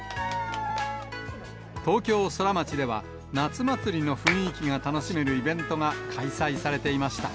東京ソラマチでは、夏祭りの雰囲気が楽しめるイベントが開催されていました。